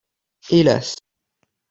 Hélas